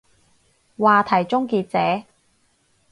話題終結者